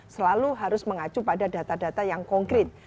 selalu harus mengacu pada data data yang konkret